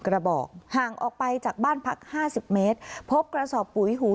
กระบอกห่างออกไปจากบ้านพักห้าสิบเมตรพบกระสอบปุ๋ยหู